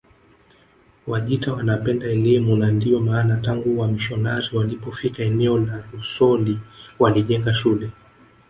Wajita wanapenda elimu na ndiyo maana tangu wamisionari walipofika eneo la Rusoli walijenga shule